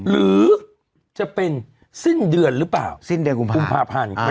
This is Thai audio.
หรือจะเป็นสิ้นเดือนหรือเปล่าสิ้นเดือนกุมภาพันธ์